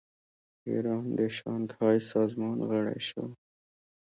ایران د شانګهای سازمان غړی شو.